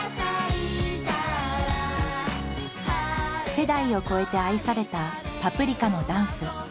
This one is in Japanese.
世代を超えて愛された「パプリカ」のダンス。